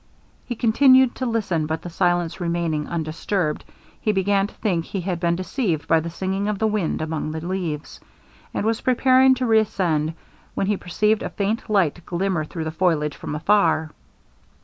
He continued to listen, but the silence remaining undisturbed, he began to think he had been deceived by the singing of the wind among the leaves; and was preparing to reascend, when he perceived a faint light glimmer through the foliage from afar.